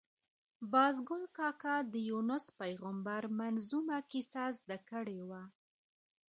باز ګل کاکا د یونس پېغمبر منظمومه کیسه زده کړې وه.